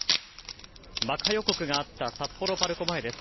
爆破予告があった札幌パルコ前です。